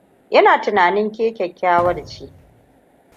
Ina tunanin ke kyakkyawar ce.